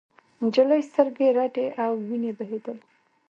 نجلۍ سترګې رډې او وینې بهېدلې.